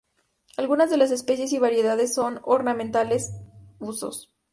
Algunas de las especies y variedades son ornamentales usos.